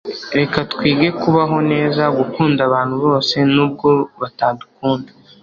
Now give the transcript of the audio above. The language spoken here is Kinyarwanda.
reka twige kubaho neza, gukunda abantu bose, nubwo batadukunda